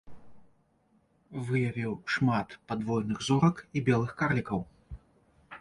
Выявіў шмат падвойных зорак і белых карлікаў.